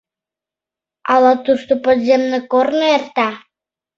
Ала тушто подземный корно эрта?..»